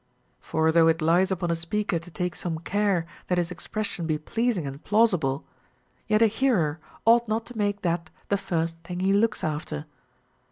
For though it lies upon a speaker to take some care that his expression be pleasing and plausible, yet a hearer ought not ίο make that the first thing he looks after.